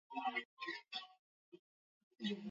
Kuibuliwa kwa mchezo huu wa mpira wa miguu au Soka